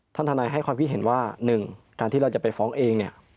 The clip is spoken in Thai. ทนายให้ความคิดเห็นว่า๑การที่เราจะไปฟ้องเองเนี่ย